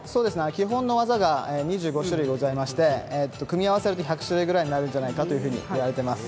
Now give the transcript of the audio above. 基本の技が２５種類ございまして、組み合わせると１００種類くらいあるんじゃないかといわれてます。